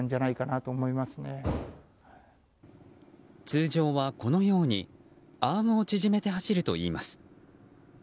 通常は、このようにアームを縮めて走るといいます。